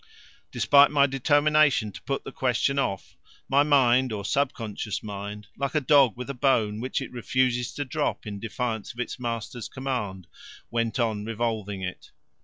Despite my determination to put the question off, my mind, or sub conscious mind, like a dog with a bone which it refuses to drop in defiance of its master's command, went on revolving it.